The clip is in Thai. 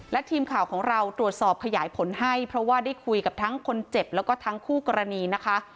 และทีมข่าวของเราตรวจสอบขยายผลให้เพราะว่าได้คุยกับทั้งคนเจ็บแล้วก็ทั้งคู่กรณีนะคะ